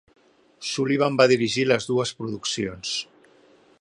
Sullivan va dirigir les dues produccions.